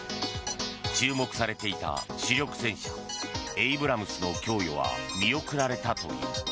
注目されていた主力戦車エイブラムスの供与は見送られたという。